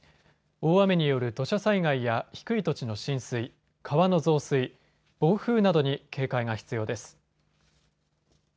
大雨による土砂災害や低い土地の浸水、川の増水、暴風などに警戒が必要です。